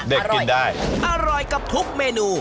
เด็กกินได้อร่อยกว่าอร่อยกว่าทุกเมนู